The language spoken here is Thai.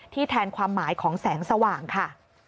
แทนความหมายของแสงสว่างค่ะ